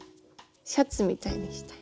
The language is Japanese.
シャツみたいにして。